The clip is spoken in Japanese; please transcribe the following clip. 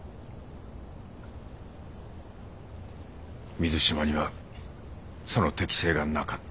水島にはその適性がなかった。